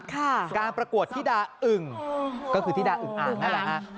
การประกวดธิดาอึ่งก็คือธิดาอึงอ่างนั่นแหละฮะ